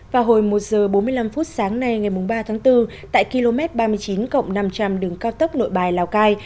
vào hồi một giờ bốn mươi năm phút sáng nay ngày ba tháng bốn tại km ba mươi chín cộng năm trăm linh đường cao tốc nội bài lào cai